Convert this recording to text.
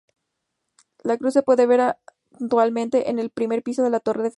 La cruz se puede ver actualmente en el primer piso de la torre defensiva.